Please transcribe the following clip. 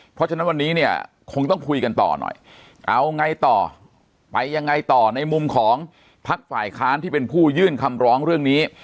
เพราะฉะนั้นวันนี้เนี่ยคงต้องคุยกันต่อหน่อยเอาไงต่อไปยังไงต่อในมุมของพักฝ่ายค้านที่เป็นผู้ยื่นคำร้องเรื่องนี้